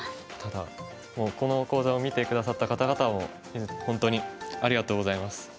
もうこの講座を見て下さった方々も本当にありがとうございます。